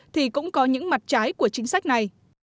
thì cũng có những mặt trái của chính sách này